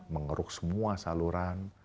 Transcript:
mengeruk semua saluran